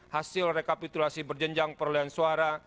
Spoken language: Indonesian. hasil rekapitulasi berjenjang perolehan suara